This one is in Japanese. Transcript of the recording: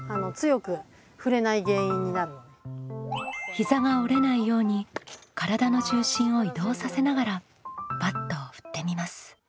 膝が折れないように体の重心を移動させながらバットを振ってみます。